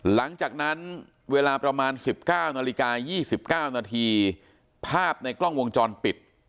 หลังจากนั้นเวลาประมาณ๑๙นาฬิกา๒๙นาทีภาพในกล้องวงจรปิด